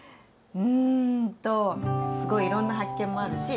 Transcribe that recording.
うんとすごいいろんな発見もあるし